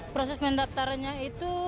proses mendaftarnya itu